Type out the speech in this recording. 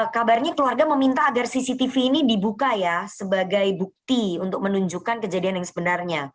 kabarnya keluarga meminta agar cctv ini dibuka ya sebagai bukti untuk menunjukkan kejadian yang sebenarnya